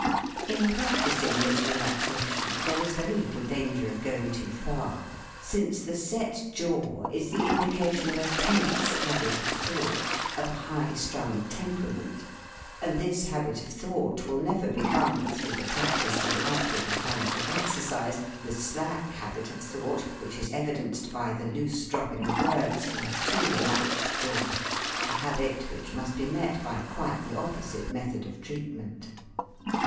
In practising this relaxation there is very little danger of going too far, since the set jaw is the indication of a tense habit of thought, of a high strung temperament, and this habit of thought will never become, through the practice of an outward mechan ical exercise, the slack habit of thought which is evidenced by the loose dropping of words from a too relaxed jaw a habit which must be met by quite the opposite method of treat ment.